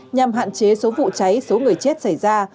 nhằm hạn chế số vụ cháy số người chết xảy ra